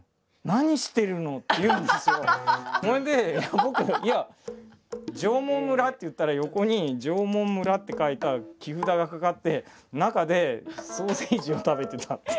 それで僕「縄文村」って言ったら横に「縄文村」って書いた木札がかかって中でソーセージを食べてたっていう。